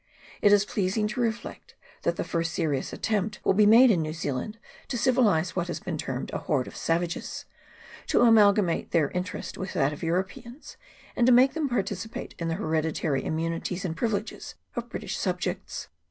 It is pleasing to c 2 20 GENERAL REMARKS. [CHAP. I. reflect that the first serious attempt will be made in New Zealand to civilise what has been termed a horde of savages, to amalgamate their interest with that of Europeans, and to make them participate in the hereditary immunities and privileges of British subjects.